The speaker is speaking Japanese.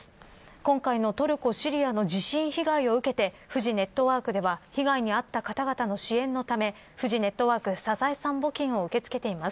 今回のトルコ・シリアの地震被害を受けて被害に遭った方々の支援のためフジネットワークサザエさん募金を受け付けています。